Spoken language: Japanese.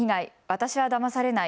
私はだまされない。